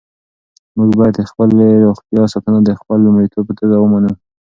موږ باید د خپلې روغتیا ساتنه د خپل لومړیتوب په توګه ومنو.